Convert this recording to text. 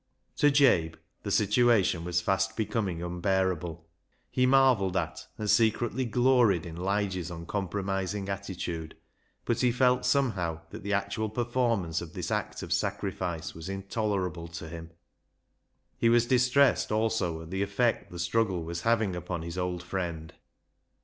To Jabe the situation was fast becoming unbearable. He marvelled at and secretly gloried in Lige's uncompromising attitude; but he felt somehow that the actual performance of this act of sacrifice was intolerable to him. He was distressed, also, at the effect the struggle was having upon his old friend.